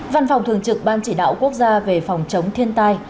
văn phòng thường trực ban chỉ đạo quốc gia về phòng chống thiên tai